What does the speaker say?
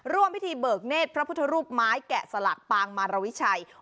ร่วมพิธีเบิกเนธพระพุทธรูปไม้แกะสลักปางมารวิชัย